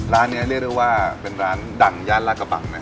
ร้านนี้เรียกได้ว่าเป็นร้านดั่งยาลรกะป๑ง